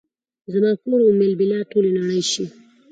زما کور ام البلاد ، ټولې نړۍ شي